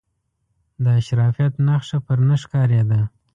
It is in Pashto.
د اشرافیت نخښه پر نه ښکارېدله.